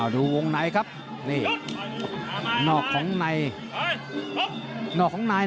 ดูวงไหนครับ